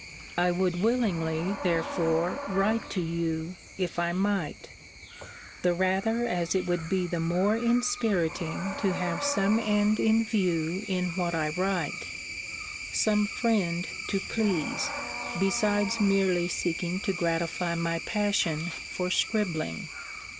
I would willingly, therefore, write to you, if I might; the rather as it would be the more inspiriting to have some end in view in what I write; some friend to please; besides merely seeking to gratify my passion for scribbling.